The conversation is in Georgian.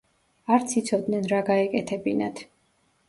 არც იცოდნენ, რა გაეკეთებინათ.